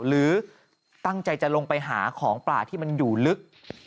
หรือตั้งใจจะลงไปหาของป่าที่มันอยู่ลึก